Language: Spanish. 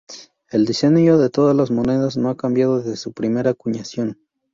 El diseño de todas las monedas no ha cambiado desde su primera acuñación.